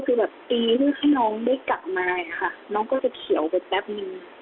คือแบบตีให้น้องได้กลับมาค่ะน้องก็จะเขียวไปแป๊บนึง